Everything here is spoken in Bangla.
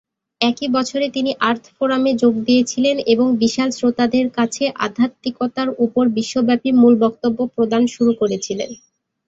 একই বছরে, তিনি আর্থ ফোরামে যোগ দিয়েছিলেন এবং বিশাল শ্রোতাদের কাছে আধ্যাত্মিকতার উপর বিশ্বব্যাপী মূল বক্তব্য প্রদান শুরু করেছিলেন।